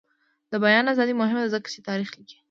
د بیان ازادي مهمه ده ځکه چې تاریخ لیکي.